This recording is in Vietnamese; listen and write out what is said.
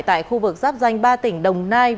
tại khu vực rác danh ba tỉnh đồng nai